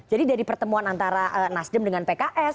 jadi dari pertemuan antara nasdem dengan pks